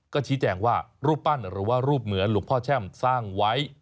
ก็ชี้แจงว่ารูปปั้นหรือว่ารูปเหมือนหลวงพ่อแช่มสร้างไว้